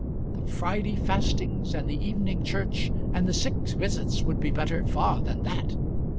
The Friday fastings and the evening church and the sick visits would be better far than that.